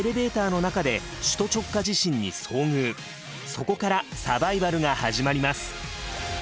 そこからサバイバルが始まります。